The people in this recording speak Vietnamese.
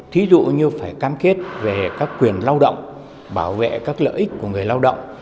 thí dụ như phải cam kết về các quyền lao động bảo vệ các lợi ích của người lao động